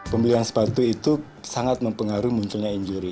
pemilihan sepatu itu sangat mempengaruhi munculnya injuri